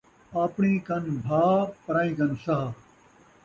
آپݨیں کن بھاء پرائیں کن ساہ